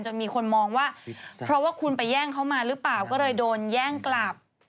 มีคนมองว่าเพราะว่าคุณไปแย่งเขามาหรือเปล่าก็เลยโดนแย่งกลับ